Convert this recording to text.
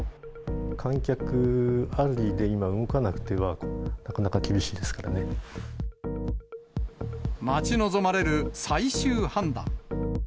観客ありで今動かなくてはな待ち望まれる最終判断。